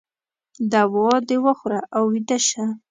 دوا د وخوره او ویده شه